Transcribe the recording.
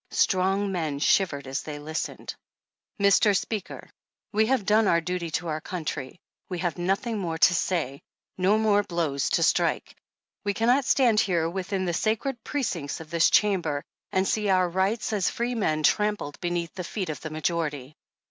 Strong men shivered as they listened. Mr Speaker : We have done our duty to our country ; we have nothing more to say, no more blows to strike. We cannot stand here with in the sacred precincts of this Chamber, and see our rights as freemen trampled beneath the feet of the majority.